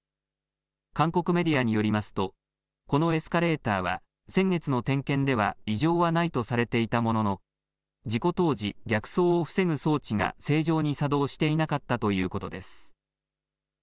韓国メディアによりますとこのエスカレーターは先月の点検では異常はないとされていたものの事故当時、逆走を防ぐ装置が正常に作動していなかったということです。